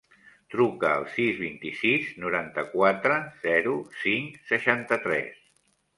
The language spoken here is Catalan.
Truca al sis, vint-i-sis, noranta-quatre, zero, cinc, seixanta-tres.